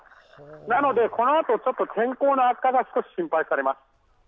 なのでこのあと、天候の悪化が少し心配されます。